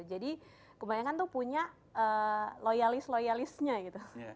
jadi kebanyakan tuh punya loyalis loyalisnya gitu